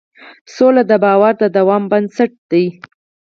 سوله د باور د دوام بنسټ ده.